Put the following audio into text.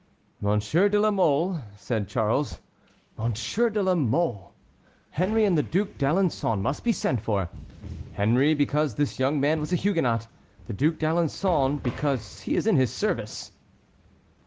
"Monsieur de la Mole," said Charles, "Monsieur de la Mole! Henry and the Duc d'Alençon must be sent for. Henry, because this young man was a Huguenot; the Duc d'Alençon, because he is in his service."